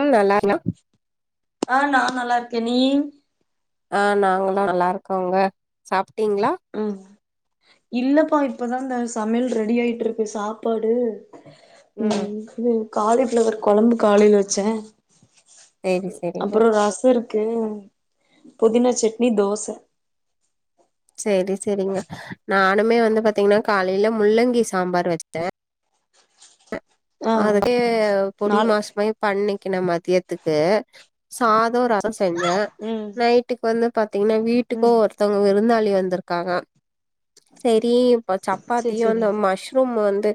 ம் நல்லாருக் என்ன ஆ நா நல்லாருக்கே நீயி ஆ நாங்களு நல்லாருக்கோங்க சாப் டீங்ளா ம் இல்லப்பா இப்பதா ந்த சமையல் ரெடி ஆயிட்ருக்கு சாப்பாடு ம் ம் காலிப்ளவர் குழம்பு காலேல வச்சே செரி செரிங்க கு புதினா சட்னி தோச சரி சரிங்க நா னுமே வந்து பாத்தீங்னா காலைல முள்ளங்கி சாம்பார் வச்தே ஆ அதுலே பொடி மாஸ் நாளைக்கு மாரி பண்ணே கின மத்யத்துக்கு சாதோ ர சோ செஞ்சே ம் நைட்டுக்கு வந்து பாத்தீங்னா வீட்டுக்கோ ம் ஒர்த்தவங்க விருந்தாலி டி வந்திர்க்காறா செரி இப்ப சேரி சப்பாத்தியு சேரி அந்த மஷ்ரூம் வந்து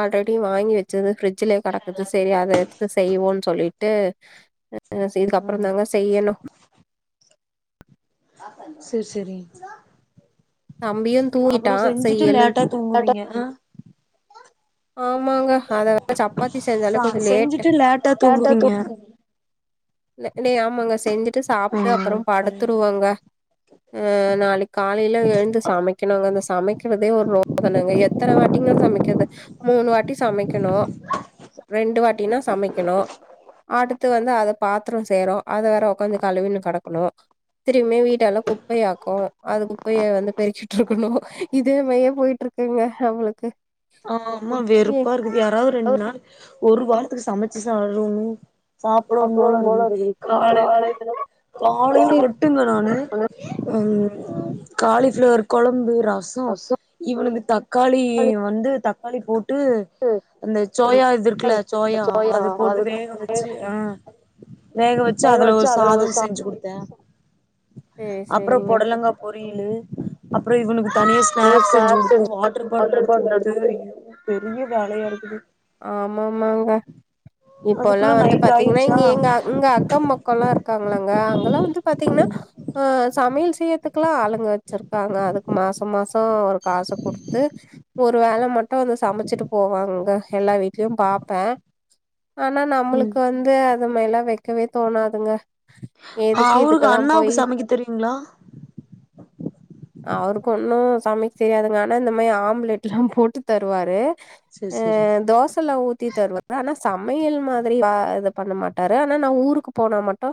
ஆல்ரைட் டி வாங்கி வெச்சது ஃப்ரி ஜிலே கடக்குது செரி அத எடுத்து செய்வோன்னு சொல்லி ட்ட ஆ இதுக்கப்பறந் தாங்க செய்யனு செ செரி தம்பியு தூங்கிட்டா செய் எழுன் லேட்டா டாடா தூங்குவீங்க ஆ ஆமாங்க அத வேற சப்பாத்தி சென்சல [unintelligible] செஞ்சுட்டு லேட்டா தூங்குவீங்க நீ ஆமாங்க செஞ்சு சாப்ட்டு அப்பறோ ம் படுத்துருவுங்க நாளைக் காலைல எழுந்து சமைக்கனுங்க இந்த சமைக்கிறதே ரோதனாங்க எத்தன வட்டிங்க சமைக்கிறது முணு வட்டி சமைக்கணு ரெண்டு வட்டின சமைக்கணு ஆட் [unintelligible] பாத்திரோ செய்றோ அத வேற உக்காந்து கழுவின்னு கடக்கணு திருமியு வீட்ட எல்லாம் குப்பையாக்கூ அது குப்பையை வந்து பெருக்கிட்டு இருக்கணு இதுமயே போயிட்டு இருக்குங்க நம்பளுக்கு ஆமா ஆமா வெறுப்பா இருக்குது யாராவது ஓ ரெண்டு நாள் ஒரு வாரத்துக்கு சமைச்சு [unintelligible] சாப்டன்னு போல இருக்குது காலைல காலைல மட்டும்ங்க நானு உஹ காலிஃப்ளவர் கொழம்பு ரசோ இவளது தக்காளி சேரி வந்து தக்காளி போட் விட்டு அந்த ம் சோயா இது இருக்குல சோயா அது போட்டு வேக வச்சு ஆஹ் வேக வச்சு அதுல ஒரு சாதம் செஞ்சு கொடுத்தே சேரி அப்பறோ சேரிங்க பொடலங்கா போ பொரியலு அப்பறோ இவனுக் தனிய ஸ்நாக்ஸ் செஞ்சு கொடுத்து வாட்டர் பாட்டில் எடுத்து கொடுத் சேரிங்க பெரிய வேலையா இருக்குது ஆமாமாங்க இப்பலா அதுக்குள்ள வந்து நைட் பாத்தீங்கன்னா ஆயிருச்சா இங்க எங்க இங்க அக்க பக்கம் எல்லாம் இருக்காங்களா அங்கெல்லா வந்து பாத்தீங்கன்னா ஆஹ் சமையல் செய்யத்துக்குலா ஆளுங்க வச்ருக்காங்க அதுக்கு மாசோ மாசோ ஒரு காச குடுத்து ஒரு வேல மட்டு வந்து சமச்சிட்டு போவங்க அங்க எல்லா வீட்லயு பாப்பே ஆனா நம்ளுக்கு வந்து அந்த மாரிலா வெக்கவே தோணாதுங்க எதுக்கு அவுருக்கு இதுக்கெல்லா போய் அண்ணாக்கு சமைக்க தெரியுங்ளா அவுருக்கு ஒன்னு சமைக்க தெரியாதுங்க ஆனா இந்த மாரி ஆம்லெட்லா போட்டு தருவாரு செரி செரி தோசல ஊத்தி தருவரு ஆனா சமையல் மாதிரி ஆ அது பண்ண மாட்டாரு ஆனா நா ஊருக்கு போனா மட்டு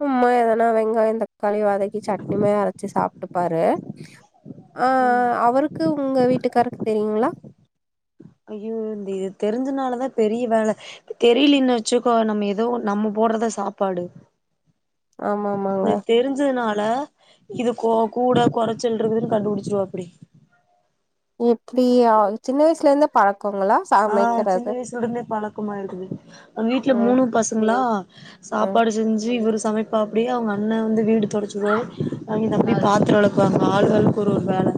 சும்மா எதனா வெங்காய தக்காளி வதக்கி சட்னிம அரச்சி சாப்ட்டுபாரு ஆஹ் அவுருக்கு உங்க வீட்டுக்காருக்கு தெரியுங்ளா ஐயோ இந்த இத் தெரிஞ்சனாலதா பெரிய வேல தெரிலீன்னு வச்சுக்கோ நம்ப ஏதோ ஒன்னு நம்ப போட்டுறதா சாப்பாடு ஆமா ஆமாங்க இந்த தெருஞ்சது நால் ல்ல இதுகு கூட கொறச்சல் இருக்குனு கண்டுபுடிச்சிருவாப்டி எப்டி அ சின்ன [unintelligible] ஆஹ் சின்ன சமைக்கிறது வயசுல இருந்தே பழக்கமாய்ருக்குது அந்த வீட்ல ம் மூணும் பசங்களா ம் சாப்பாடு செஞ்சி இவுரு சமைப்பாப்டி அவுங்க அண்ணே வந்து வீடு தொடச்சுடுவாரு அவுங்க தம்பி பாத்ரோ வெளக்குவாங்க ஆளாளுக்கு ஒரு வேல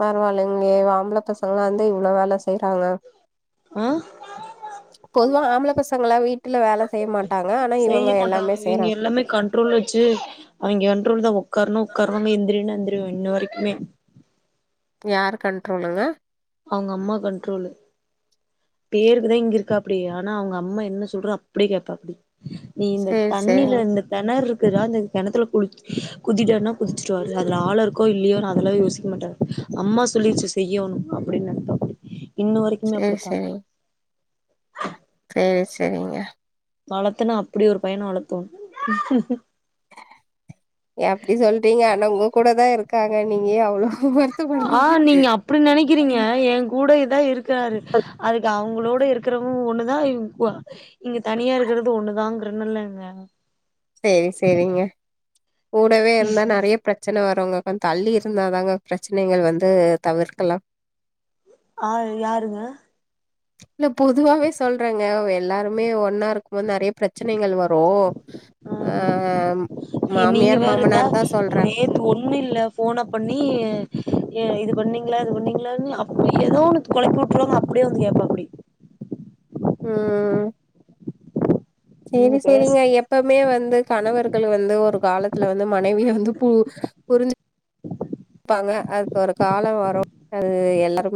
பரவாயில்லைங்ளே ஆம்ள பசங்களா இருந்து இவ்ளோ வேல செய் வாங்க ஆ பொதுவா ஆம்ள பசங்களா வீட் இல்ல வேல செய்ய மாட்டாங்க ஆனா செய்ய இவங்க மாட்டாங்க எல்லாமே இவிங்க செய்யறாங்க எல்லாமே கண்ட்ரோல் வச்சு அவிங்க கண்ட்ரோல் தா ஒக்கார்ணா ஒக்கார்ணு எந்திரினா எந் கனும் இன்ன வரைக்குமே யாரு கண்ட்ரோலுங்க அவுங்க அம்மா கண்ட்ரோலு பேர்குதா இங்க இருக்காப்டி ஆனா அவுங்க அம்மா என்னா சொல்றோ அப்டியே கேப்பாப்டி நீ இந்த சேரி தண்ணில சேரிங்க இந்த தெனற் ற்குனா அந்த கெணத்துல குள் குதிடானா குதிச்சுருவாரு அதுல ஆழோ இருக்கோ இல்லையோ நா அதெல்லா யோசிக்க மாட்டாரு அம்மா சொல்லிருச்சு செய்யணு அப்டின்னு நெனப்பாப்டி இன்ன வரைக்குமே சேரி அப்டிதா சேரிங்க செர் செரிங்க வளத்துனா அப்டி ஒரு பையன வளத்தோனு ஏன் அப்டி சொல்றீங்க அண்ணங் கூ கூட தா இருக்காங்க நீங்க ஏ அவ்ளோ வருத்தப்படுறீங்க ஆஹ் நீங்க அப்டி நெனைக்கிறீங்க என் கூட இதா இருக் இருக்றாரு அதுக்கு அவங்களோட இருக்றவங்களு ஒண்ணுதா இங்க தனியா இருக்றது ஒண்ணுதாங்கிர்ன் இல்லேங்க சேரி சேரிங்க கூடவே இருந்தா நெறைய பிரச் சனை வருங்க கொஞ்சோ தள்ளி இருந்தாதாங்க பிரச்சனைகள் வந்து தவிர்க்கலாம் ஆஹ் யாருங்க இல்ல பொதுவாவே சொல்றங்க எல்லாருமே ஒன்னா இருக் கவு நெறைய பிரச்சனைகள் வரும் ஆ அஹ் எ நீங்க மாமியார் வேற இதா மாமனார் தான் சொல்றேன் நேத்து ஒண்ணு இல்ல பன்னீங்களா இது பன்னீங்களானு அப்டி ஏதோ ஒன்னு கொலப்பி வுட்ருவாங்க அப்புடியே வந்து கேப்பாப்டி உம் சேரி நீங்க சேரிங்க பேசுங்க எப்பவுமே வந்து கணவர்கள் வந்து ஒரு காலத் துல வந்து மனைவியை வந்து பு புரிஞ்சுப் பாங்க அதுக்கு ஒரு காலம் வரும் அது எல்லாரு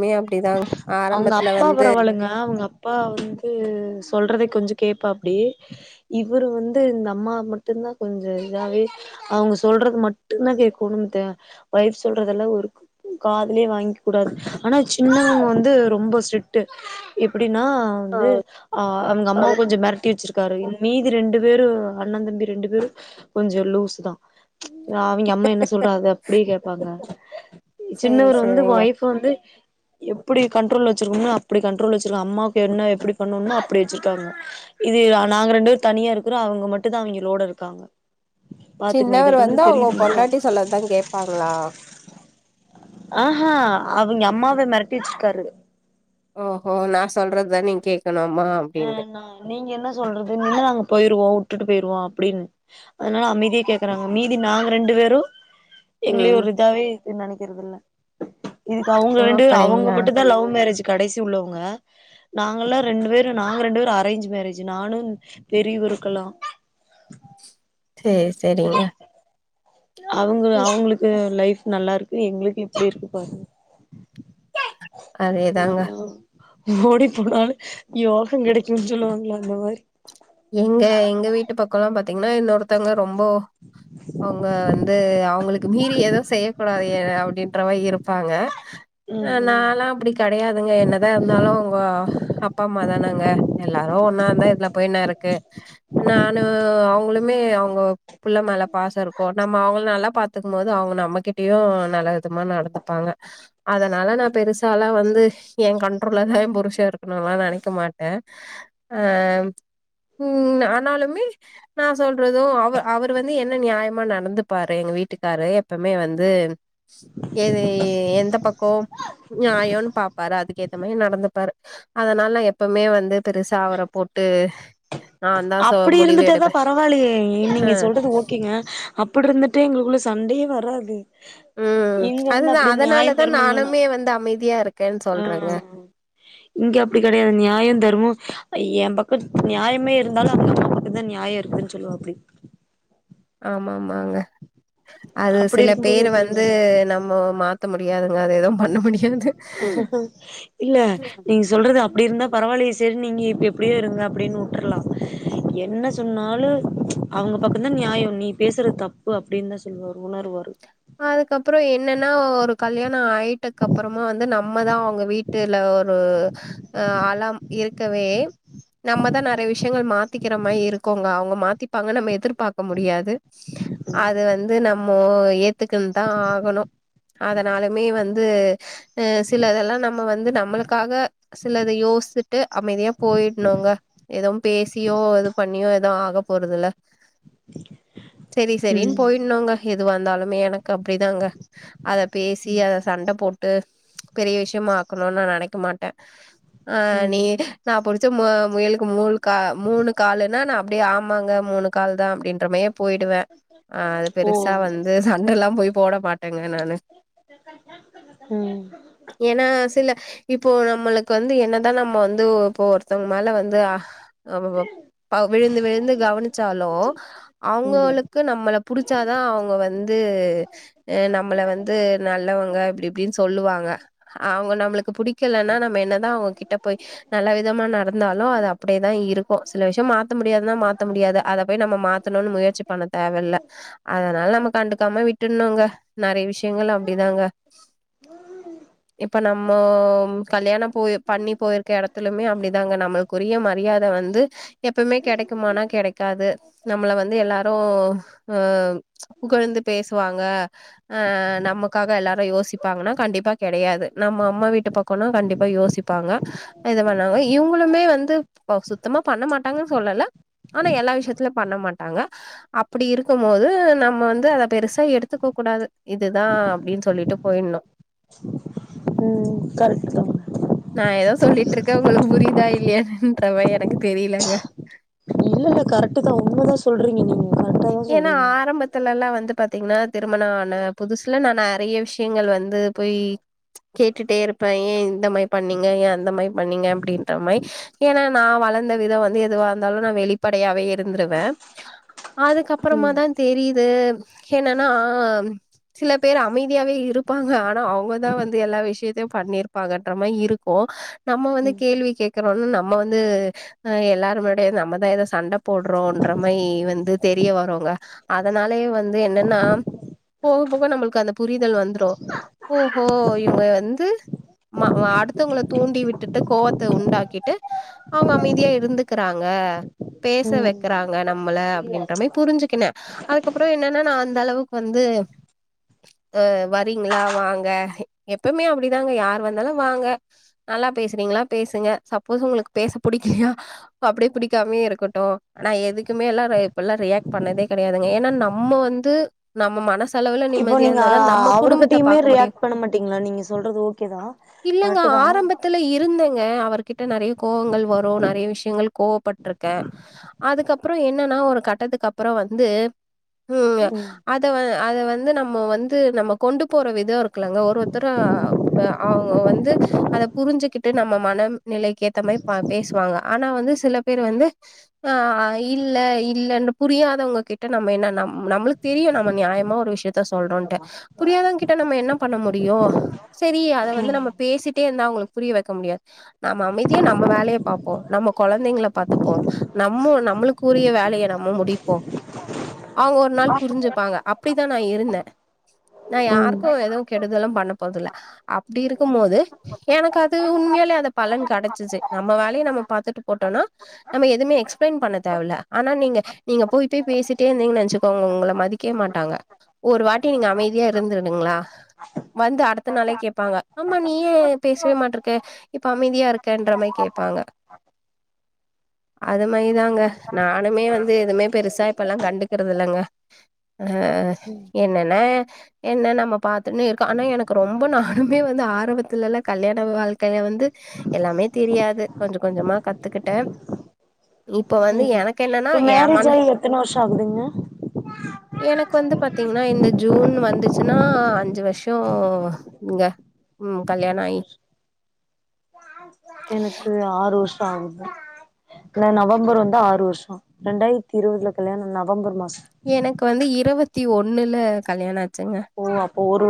அவுங்க அப்பா பரவாலங்க அவுங்க அப்பா வந்து சொல்றது கொஞ்சோ கேப்பாப்டி இவரு வந்து இந்த அம்மா மட்டும்தான் கொஞ்சோ இதாவே அவுங்க சொல்றது மட்டும்தான் கேட்கோனும்து வொய்ஃப் சொல்றதல்லாம் ஒரு காதுலயே வாங்கிக்க கூடாது ஆனா சி சின்னவங்க வந்து ரொம்ப ஸ்ட்ரிக்ட் எப் எப்டின்னா ஆ வந்து அ அவுங்க அம்மாவ அது கொஞ்சோ மெரட்டி வச்சிருக்காரு மி பி ரெண்டு பேரும் அண்ணா தம்பி ரெண்டு பேரும் கொஞ்சம் லூஸ் தான் ச் அவிங்க அம்மா என்ன சொல்றாங்க அது அப்டியே கேப்பாங்க சேரி சின்னவரு வந்து சேரிங்க ஒய்ஃப் வந்து எப்புடி கண்ட்ரோல்ல வச்சுருக்கும்னா அப்புடி கண்ட்ரோல்ல வச்சுருக்கே அம்மாவுக்கு என்ன எப்புடி பண்ணணும்னோ அப்புடி வச்சுருக்காங்க இது நாங்க ரெண்டு பேரு தனியா இருக்கிறோ அவுங்க மட்டுதா அவெங்கலோட இருக்காங்க பாத்துக்குங்க சின்னவர் இதுல இருந்து வந்து அவுங்க தெரியுதுங்களா பொண்டாட்டி சொன்னதுதா கேப்பாங்களா ஆ ஹ அவிங்க அம்மா மெரட்டி வச்சுக்காரு ஓஹோ நா சொல்றதுதா நீங்க கேக் ஆ நா நீங்க என்ன சொல்றது நிலா அங்க போயிருவோ விட்டுட்டு போயிருவோம் அப்டின்னு அதனால அமைதிய கேக்குறாங்க அ மீதி நாங்க ரெண்டு வேரும் எங்களயு ம் ஒரு இதாவே நெனக்கிறது இல்ல இதுக்கு அவுங்க ஓ ரெண்டு பேரு அவுங்க அப்படிங்களா மட்டுந்தா லவ் மேரேஜ் கடைசி உள்ளவுங்க நாங்கலா ரெண்டு பேர் நாங்க ரெண்டு பேரு அரேஞ்ச் மேரேஜ் நானும் பெரிய வருக்கெல்லாம் சேரி செரிங்க அவுங்க அவுங்களுக்கு லைஃப் நல்லா இருக்கு எங்களுக்கு இப்டி இருக்கு பாருங்க அதேதாங்க அதா ஓடி போனாலு யோகோ கெடைக்கும்னு சொல்லுவாங்களா அந்த மாதிரி பாத்தீங்கன்னா இன்னொருத்தங்க ரொம்போ அவுங்க வந்து அவுங்களுக் க்கு மீறி எதுவு செய்யக்குடா ஐய்யே அப்டின்ற மாரி இருப்பாங்க ஆ ம் ம் நாலா அப்புடி கெடையாதுங்க என்னதா இருந்தாலு உங்கோ அப் அப்பா அம்மா தானங்க எல்லாரு ஒன்னா இருந்தா இதுல போய் என்ன கே நானு அவுங்ளுமே அவுங்கொ புள்ளெ மேல பாசருக்கு நம்ம அவுங்ள நல்லா பாத்துக்கும் போது அவுங் நம்மகிட்டியு நலர் துமா நடந்துப்பாங்க அதனால நா பெருசாலா வந் ந்து ஏ கண்ட்ரோல்லதா ஏ புருஷே இருக்குணுல்லா நெனைக்க மாட்டே அ உம் ஆனாலுமே நா சொல்றதோ அவர் அவரு வந்து என்ன நியாமா நடந்துப்பாரு எங்க வீட்டுக்காரு எப்பமே வந்து எது இ எந்தப் பக்கோ நியாயோனு பாப்பாரு அதுக்கேத்த மாரி நடந்துப்பாரு அதனால நா எப்பவுமே வந்து பெருசா அவர போட்டு நாந்தா சோ அப்புடி முடிவு இருந்துட்டேதா எடுப்பே பரவாலயே ஆ நீங்க சொல்றது ஓகேங்க அப்புடுரிந்துட்டு எங்களுகுள்ள சண் சண்டயே வராது ம் இங்க வந்து அதுதா அப்டின் நியாயோ அதனாலதா தர்மோன்லா நானுமே வந்து அமைதியா இருக்கேன்னு ஆ சொல்றேங்க இங்க அப்டி கெடையாது நியாயோ தர்மோ ஏ பக்கோ நியாமே இருக் ந்தாலு அவுங்க [unintelligible] நியாயோ இருக்குதுன்னு சொல்லுவா அப்டீ ஆமா ஆம் மாங்க அது அப்படி இருக்கும்போது சிலப்பேரு எப்படி வந்து நம்மோ மாத்த மு ப்யாதுங்க அது ஏதும் பண்ண முடி இல்ல நீங் சொல்றது ம் அப்புடி இருந்தா பரவால்லியே ஸ் செர் நீங்கி இப் எப்பிடியோ இருங்க அப்பிடின்னு உட்ருல்லா என்ன சொன்னாலு அவுங்க பக்கோ தா நியாயோ நீ பேசுறத் தப்பு அப்டின்னு சொல்வாரு உணருவாரு அதுக்கப்புறோ என்னென்னா ஒரு கல்யாணோ ஆயிட்டக்கப்புறமா வந்து நம்மதா அவுங்க வீட்டுல ஒரூ அ அலாம் இருக் க்கவே நம்ம தா நறைய விஷ்யங்கள் மாத்திக்கிற மாரி இருக்கோங்ஙா அவுங்க மாத்திப்பாங்க நம்ம எதிர்பாக்க முடியாது அது வந்து நம் ம்மோ ஏத் துக்குன் தா ஆகணு அதனாலுமே வந்த அ சிலதெல்லா நம்ம வந்து நம்மளுக்காக சிலத யோஸ்திட்டு அமைதியா போயிட்னோங்க ஏதவும் பேசியோ இது பண்ணியோ ஏதவு ஆக போறதுல்ல சேரி சேரின் ம் போயிட்னோங்க எ து வந்தாலு மே எனக் கு அப்டிதாங்க அத பேசி அத சண்டப் போட்டு பெரிய விஷ்யமாக்கணுன்னா நனைக்க மாட்டே ஆ ம் நீ அ நா புடிச் ச மூ முயல்க்கு மூல் கா மூணு காலுனா நா ப்டே ஆமாங்க மூணு கால் தா அப்டீன்றமே போயிடுவே ஆ அது ஓ பெருஸ்சா வந் சண்டல்லா போயி போட மாட் எங்க நானு ம் ஏன்னா சில இப் இப்போ நம்மளுக் கல்லு என்னதா நம்ம வந்து இப்போ ஒருத்தவங்க மேல வந்து ஆமாம்மா பா விழுந்து விழுந்து கவனிச்சாலோ ம் அவுங்களுக்கு நம்மள புடிச்சாதா அவுங்க வ வந்து அ நம்மள வந்து நல்லவங்க அப்பிடி இப்பிடின்னு சொல்லுவாங்க அவுங்க நம்மளுக்கு புடிக்கலன்னா நம்ம என்னதா அவுங்கக்கிட்ட போய் நல்ல விதமா நடந்தாலு அது அப்பிடியேதா இருக்கோ சில விஷய மாத்த முடியாதுனா மாத்த முடியாது அத போய் நம்ம மாத்தணும்னு முயற்சி பண்ண தேவல்ல அதனால நமக் கண்டுக்காம விட்டுருணுங்க நறைய விஷயங்கள் அப்பிடிதாங்க இப்ப நம்மோ கல்யாணோ போய் பண்ணி போயிருக்க எடத்துலுமே அப்பிடிதாங்க நம்மளுக்குரிய மரியாத வந்து எப்பவுமே கெடைக்குமானா கெடைக்காது நம்மள வந்து எல்லாரு அ புகழ்ந்து பேசுவாங்க அ நமக்காக எல்லாரும் யோசிப்பாங்கன்னா கண்டிப்பா கெடையாது நம்ம அம்மா வீட்டு பக்கோனா கண்டிப்பா யோசிப்பாங்க இது பண்ணாங்க இவுங்களுமே வந்து ஓ சுத்தமா பண்ண மாட்டாங்கன்னு சொல்லல ஆனா எல்லா விஷயத்துலயு பண்ண மாட்டாங்க அப்பிடி இருக்கும் போது நம் நம்ம வந்து அத பெருசா எடுத்துக்க கூடாது இதுதா அப்பிடின்னு சொல்லிட்டு போயிணு ம் கரெக்ட் தா நா ஏதோ சொல்லிட்டு இருக்கே உங்களுக்கு புரியுதா இல்லையான்னு சுத்தமா எனக்கு தெரியலைங்க. இல்ல இல்ல கரெக்டு தா உண்ம தா சொல்றீங்க நீங்க கரெக்டா தா ஏனா சொல்றீங்க ஆரம்பத்துலலா வந்து பாத் தீங்கன்னா திருமணான புதுசுல நா நெறைய விஷயங்கள் வந்து போய் கேட்டுட்டே இருப்பே ஏ இந்த மாயி பண்ணீங்க ஏ அந்த மாயி பண்ணீங்க அப்படின்ற மாயி ஏனா நா வளர்ந்த விதோ வந்து எதுவா இருந்தாலு நா வெளிப்படையாவே இருந்திருவே. அதுக்கப்புறமா ம் தான் தெரியு து என்னன்னா சில பேரு அமைதியாவே இருப்பாங்க ஆனா அவங்கதா வந்து எல்லா விஷயத்தையு பண்ணிருப்பாங்கன்ற மாயி இருக்கோ நம்ம வந்து கேள்வி கேக்கறோனா நம்ம வந்து அஹ் எல்லார் முன்னாடியோ நம்மதா எதோ சண்ட போடுறோன்ற மாயி வந்து தெரிய வருங்க அதனாலேயே வந்து என்னன்னா போக போக நம்மளுக்கு அந்த புரிதல் வந்துரு ஓஹோ இவங்க வந்து மா மா அடுத்தவங்கள தூண்டி விட்டுட்டு கோவத்த உண்டாக்கிட்டு அவங்க அமைதியா இருந்துக்குறாங்க. பேச ம் வைக்கிறாங்க நம்மள அப்படின் எல்லாமே புரிஞ்சுக்குனே அதுக்கப்புறோ என்னன்னா நா அந்த அளவுக்கு வந்து அஹ் வரீங்களா வாங்க எப்பமே அப்படிதாங்க யார் வந்தாலு வாங்க நல்லா பேசுறீங்களா பேசுங்க சப்போஸ் உங்களுக்கு பேச பிடிக்கலையா அப்படி பிடிக்காமயே இருக்கட்டு நா எதுக்குமே எல்லாரு பெல்லா ரியாக்ட் பண்ணதே கிடையாதுங்க ஏன்னா நம்ம வந்து நம்ம மனச இப்போ நீங்க அ-அவர்கிட்டயுமே பாக்க முடியு ரியாக்ட் பண்ண மாட்டீங்களா நீங்க சொல்றது ஓகேதா இல்லங்க. கரெக்டுதா. டு நெறைய கோவங்கள் வரு நெறைய விஷயங்கள் கோவப்பட்டிருக்கே அதுக்கப்புறோ என்னன்னா ஒரு கட்டத்துக்கு அப்புறோ வந்து உம் ம் அத வ அத வந்து நம்ம வந்து நம்ம கொண்டு போற விதோ இருக்குலங்க ஒரு ஒருத்தரா அவங்க வந்து அத புரிஞ்சுகிட்டு நம்ம மனநிலைக்கு ஏத்த மாதி பேசுவாங்க ஆனா வந்து சில பேரு வந்து ஆஹ் இல்ல இ இல்லன்னு புரியாதவங்ககிட்ட நம்ம என்னன் நம் நம்மளுக்கு தெரியு நம்ம நியாயமா ஒரு விஷயத் த சொல்றோன்டு புரியாதாவங்க கிட்ட நம்ம என்ன பண்ண முடியு சரி அத வந்து நம்ம பேசி ட்டே இருந்தா அவங்களுக்கு புரிய வைக்க முடியாது நம்ம அமைதியா நம்ம வேலைய பாப்போ நம்ம குழந்தைங்கள பாத்துப்போ நம்மோ நம்மளுக்கு உரிய வேலைய நம்ம முடிப்போ அவங்க ஒரு நாள் புரிஞ்சுப்பாங்க அப்படித்தா நா இருந்தே. நா ம் யாருக்கோ எதுவு கெடுதலு பண்ண போரதுல அப்டி இருக்கும் போது எனக்கு அது உண்மையாலே அது பலன் கிடைச்சிச்சு நம்ம வேலைய நம்ம பாத்துட்டு போட்டோனா நம்ம எதுவுமே எக்ஸ்பிளைன் பண்ண தேவல்ல ஆனா நீங்க நீங்க போய் போய் பேசிட்டே இருந்தீங்கன்னு வச்சுக்கோங்க உங்கள மதிக்க மாட்டாங்க ஒரு வாட்டி நீங்க அமைதியா இருந்துடுங்களே வந்து அடுத்த நாளே கேட்பாங்க ஆமா நீ ஏன் பேசவே மாட்டிருக்க இப்ப அமைதியா இருக்கன்ற மாரி கேட்பாங்க அது மாரிதாங்க நானுமே வந்து எதுமே பெருசா இப்பல்லா கண்டுக்குறது இல்லைங்க அ என்னன்னா என்ன நம்ம பாத்து இருக்கோ ஆனா எனக்கு ரொம்ப நானுமே வந்து ஆரம்பத்துல எல்லா கல்யாண வாழ்க்கைய வந்து எல்லாமே தெரியாது கொஞ்சம் கொஞ்சமா கத்துக்கிட்டே இப்ப வந்து ம் எனக்கு என்னன்னா இப்ப ஏ மேரேஜ் மன ஆயி எத்தன வருஷ ஆகுதுங்க எனக்கு வந்து பாத்தீங்கன்னா இந்த ஜூன் வந்துச்சுன்னா அஞ்சு வருஷம் இங்க உம் கல்யாண ஆகி ஆறு வருஷம் ஆ இந்த நவம்பர் வந்தா ஆறு வருஷ ரெண்டாயிரத்தி இருபதுல கல்யாண நவம்பர் மாச இருபத்தி ஒண்ணுல கல்யாணம் ஆச்சுங்க ஓ அப்போ ஒரு